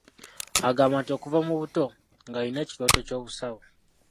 Agamba nti okuva mu buto, ng'alina ekirooto ky'obusawo.